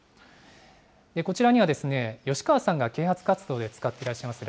こちらには、吉川さんが啓発活動で使っていらっしゃいます